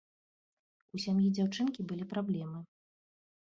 У сям'і дзяўчынкі былі праблемы.